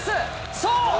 そう。